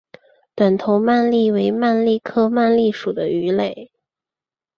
短头鳗鲡为鳗鲡科鳗鲡属的鱼类。